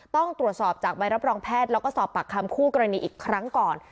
ต้องตรวจสอบจากใบรับรองแพทย์แล้วก็สอบปากคำคู่กรณีอีกครั้งก่อน